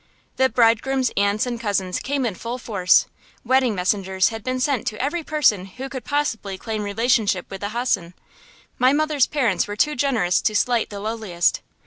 The bridegroom's aunts and cousins came in full force. Wedding messengers had been sent to every person who could possibly claim relationship with the hossen. My mother's parents were too generous to slight the lowliest.